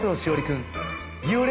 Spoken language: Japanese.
君。